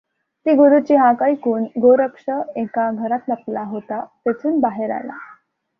ती गुरूची हाक ऐकून गोरक्ष एका घरात लपला होता तेथून बाहेर आला.